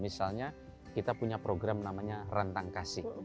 misalnya kita punya program namanya rentang kasih